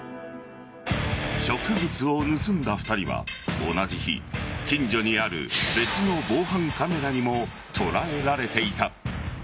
植物を盗んだ２人は同じ日近所にある別の防犯カメラにも捉えられていた。